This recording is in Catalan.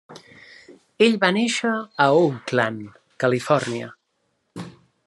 Ell va néixer a Oakland, Califòrnia.